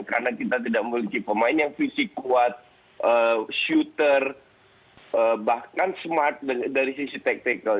karena kita tidak memiliki pemain yang fisik kuat shooter bahkan smart dari sisi taktikal